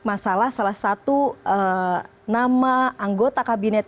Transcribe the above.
masalah salah satu nama anggota kabinet